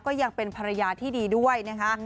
ยังเป็นภรรยาที่ดีด้วยนะคะ